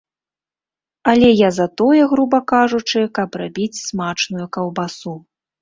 Але я за тое, груба кажучы, каб рабіць смачную каўбасу.